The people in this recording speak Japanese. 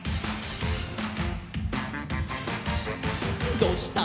「どうしたの？